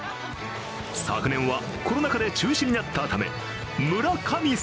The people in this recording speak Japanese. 昨年はコロナ禍で中止になったため村神様